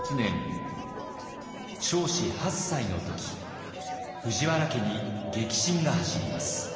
彰子８歳の時藤原家に激震が走ります。